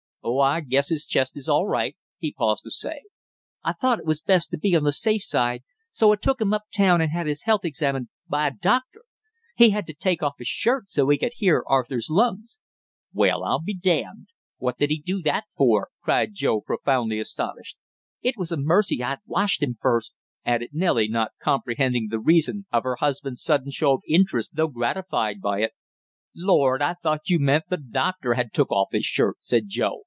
"Oh, I guess his chest is all right!" he paused to say. "I thought it was best to be on the safe side, so I took him up town and had his health examined by a doctor. He had to take off his shirt so he could hear Arthur's lungs." "Well, I'm damned, what did he do that for?" cried Joe, profoundly astonished. "It was a mercy I'd washed him first," added Nellie, not comprehending the reason of her husband's sudden show of interest though gratified by it. "Lord, I thought you meant the doctor had took off his shirt!" said Joe.